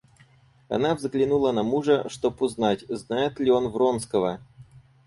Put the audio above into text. Она взглянула на мужа, чтоб узнать, знает ли он Вронского.